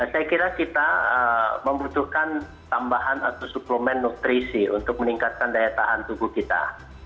saya kira kita membutuhkan tambahan atau suplemen nutrisi untuk meningkatkan daya tahan tubuh kita